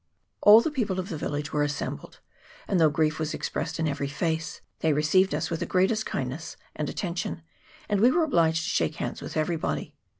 All the people of the village were assembled ; and though grief was expressed in every face, they re ceived us with the greatest kindness and attention, and we were obliged to shake hands with everybody.